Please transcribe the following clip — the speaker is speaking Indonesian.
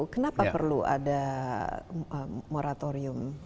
kenapa perlu ada moratorium